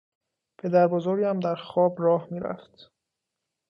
پدر بزرگم در خواب راه می رفت.